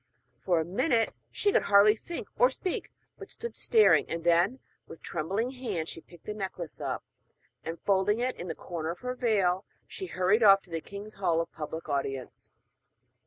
For a few minutes she could hardly think or speak, but stood staring; and then with trembling hands she picked the necklace up, and folding it in the corner of her veil, she hurried off to the king's hall of public audience.